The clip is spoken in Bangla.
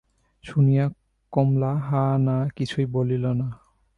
শুনিয়া কমলা হাঁ-না কিছুই বলিল না।